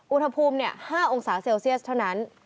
อุณหภูมิ๕องศาเซลเซียสเท่านั้น